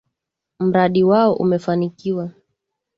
Mradi wao umefanikiwa